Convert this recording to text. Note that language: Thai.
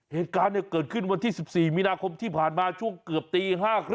เหตุการณ์เกิดขึ้นวันที่๑๔มีนาคมที่ผ่านมาช่วงเกือบตี๕๓๐